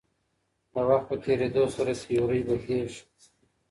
د وخت په تېرېدو سره تیورۍ بدلیږي.